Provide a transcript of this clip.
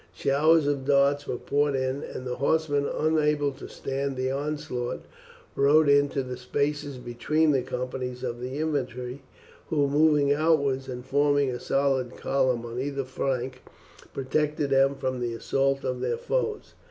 Showers of darts were poured in, and the horsemen, unable to stand the onslaught, rode into the spaces between the companies of the infantry, who, moving outwards and forming a solid column on either flank, protected them from the assaults of their foes.